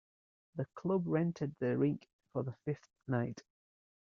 The club rented the rink for the fifth night.